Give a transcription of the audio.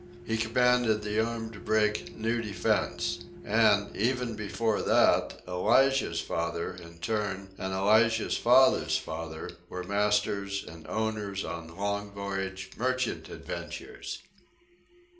He commanded the armed brig New Defence. And, even before that, Elijah's father, in turn, and Elijah's father's father, were masters and owners on long voyage merchant adventures.